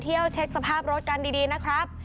ทาบรถกันดีนะครับ